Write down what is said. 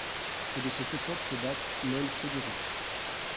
C'est de cette époque que date l’aile Frédéric.